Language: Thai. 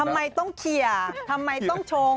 ทำไมต้องเคลียร์ทำไมต้องชง